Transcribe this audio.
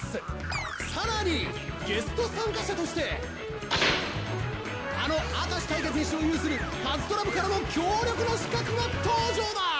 更にゲスト参加者としてあの明石タイガ選手を有するパズドラ部からの強力な刺客が登場だ！